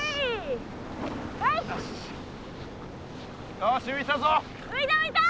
よしういたぞ。